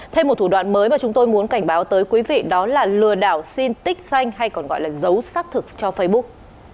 thêm một thủ đoạn mới mà chúng tôi muốn cảnh báo tới quý vị đó là lừa đảo xin tích xanh hay còn gọi là dấu xác thực cho facebook